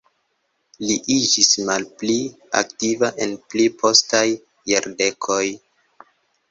Li iĝis malpli aktiva en pli postaj jardekoj.